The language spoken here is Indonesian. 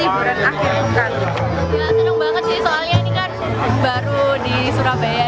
liburan akhir ya seneng banget sih soalnya ini kan baru di surabaya